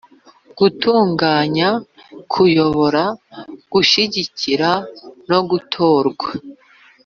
gutunganya kuyobora gushyigikira no gutorwa